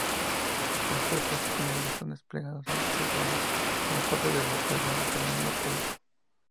Las tropas ucranianas están desplegadas en Kosovo como parte del Batallón Ucraniano-Polaco.